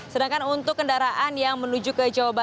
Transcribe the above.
sedangkan untuk kendaraan yang menuju ke jawa barat